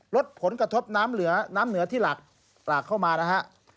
ลดผลกระทบน้ำเหนือที่หลักเข้ามานะครับ